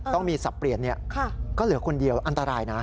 ต้องมีสับเปลี่ยนก็เหลือคนเดียวอันตรายนะ